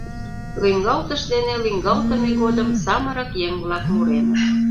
Лӱҥгалтыш дене лӱҥгалтыме годым самырык еҥ-влак муреныт.